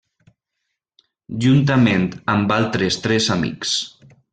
Juntament amb altres tres amics.